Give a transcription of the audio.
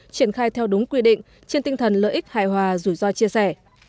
triển khai theo đúng quy định trên tinh thần lợi ích hài hòa rủi ro chia sẻ